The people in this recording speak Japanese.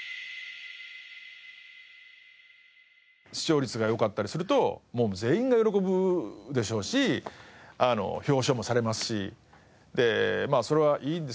視聴率が良かったりするともう全員が喜ぶでしょうし表彰もされますしでそれはいいんですけど。